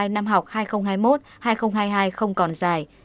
năm học hai nghìn hai mươi một hai nghìn hai mươi hai không còn dài